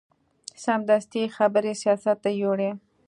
سمدستي یې خبرې سیاست ته یوړې.